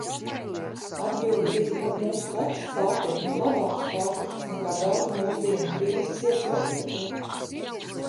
Atbilde bija, ka mūsu kaķis pārtiek no labākas pārtikas, nekā daudzi mūsdienu krīzes iespaidotie.